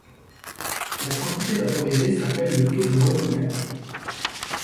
La quantité vaporisée s’appelle le taux de rebouillage.